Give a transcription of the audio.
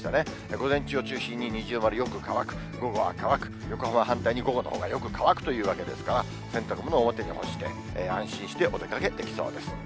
午前中を中心に二重丸、よく乾く、午後は乾く、横浜は反対に午後のほうがよく乾くというわけですから、洗濯物、表に干して安心してお出かけできそうです。